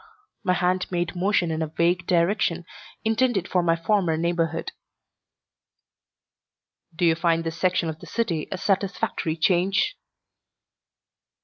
My hand made motion in a vague direction intended for my former neighborhood. "Do you find this section of the city a satisfactory change?"